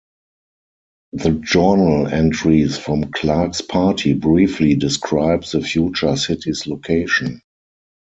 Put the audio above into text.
The journal entries from Clark's party briefly describe the future city's location.